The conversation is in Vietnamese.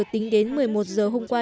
tính đến một mươi một giờ hôm qua